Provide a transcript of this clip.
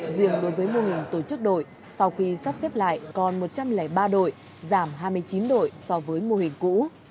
riêng đối với mô hình tổ chức đội sau khi sắp xếp lại còn một trăm linh ba đội giảm hai mươi chín đội so với mô hình cũ